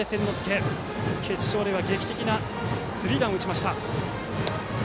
県大会決勝では劇的なスリーランを打ちました。